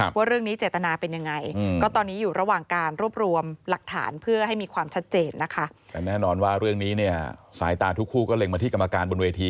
ว่าเรื่องนี้เจตนาเป็นยังไงก็ตอนนี้อยู่ระหว่างการรวบรวมหลักฐานเพื่อให้มีความชัดเจนนะคะ